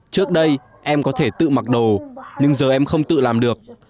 trước đây em có thể tự mặc đồ nhưng giờ em không tự làm được